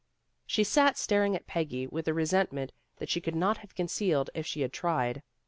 She sat staring at Peggy with a resentment that she could not have concealed if she had tried.